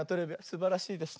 すばらしいです。